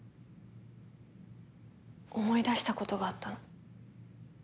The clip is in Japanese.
思い出した事があったの。